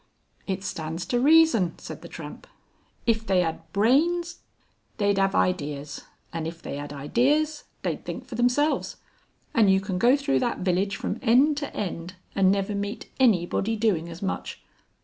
"It stands to reason," said the Tramp. "If they 'ad brains they'd 'ave ideas, and if they 'ad ideas they'd think for themselves. And you can go through that village from end to end and never meet anybody doing as much.